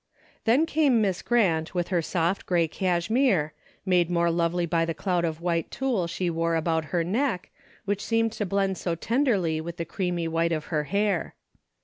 Then came Miss Grant Avith her soft grey cashmere, made more lovely by the cloud of 342 '■'A DAILY BATE/^ white tulle she wore about her neck, which seemed to blend so tenderly with the creamy white of her hair.